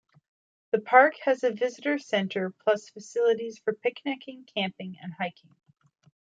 The park has a visitors center plus facilities for picnicking, camping, and hiking.